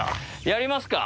やりますか。